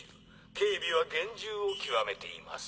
警備は厳重を極めています。